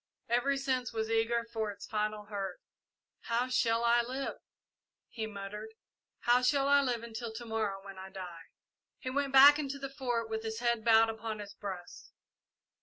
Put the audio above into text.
Every sense was eager for its final hurt. "How shall I live!" he muttered. "How shall I live until to morrow, when I die!" He went back into the Fort with his head bowed upon his breast.